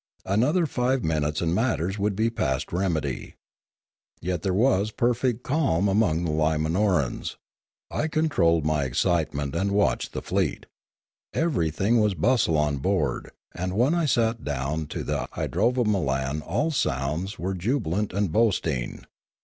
Another five minutes and matters would be past remedy. Yet there was perfect calm among the Lima norans. I controlled my excitement and watched the fleet. Everything was bustle on board, and when I sat down to the idrovamolan all sounds were jubilant and boasting.